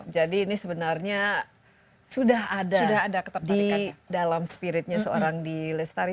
jadi ini sebenarnya sudah ada di dalam spiritnya seorang di lestari